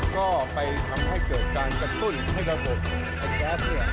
ก็ไปทำให้เกิดการกระตุ้นให้ระบบไอ้แก๊สเนี่ย